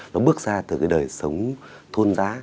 nó bước ra từ cái đời sống thôn giá